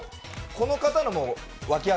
この方の脇汗。